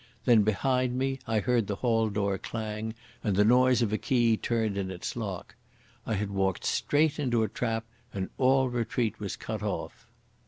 Then behind me I heard the hall door clang, and the noise of a key turned in its lock. I had walked straight into a trap and all retreat was cut off.